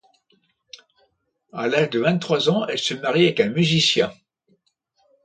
À l’âge de vingt-trois ans, elle se marie avec un musicien.